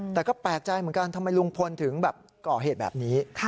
แต่ก็แปลกใจเหมือนกันทำไมลุงพลถึงแบบก่อเหตุแบบนี้